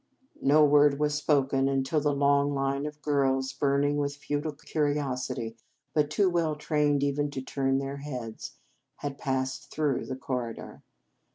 No word was spoken until the long line of girls burning with futile curiosity, but too well trained even to turn their heads had passed through the corridor.